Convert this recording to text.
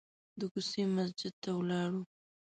د کوڅې مسجد ته ولاړو.